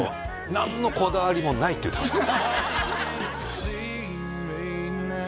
「何のこだわりもない」って言ってました